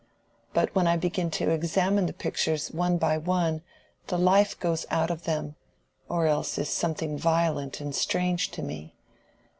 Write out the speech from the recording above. But when I begin to examine the pictures one by one the life goes out of them, or else is something violent and strange to me.